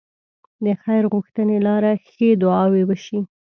د خير غوښتنې لاره ښې دعاوې وشي.